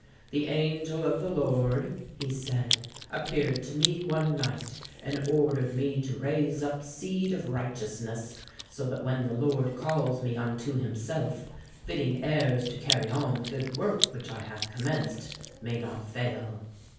'The angel of the Lord,' he said, 'appeared to me one night, and ordered me to raise up seed of righteousness, so that when the Lord calls me unto himself, fitting heirs to carry on the good work which I have commenced, may not fail.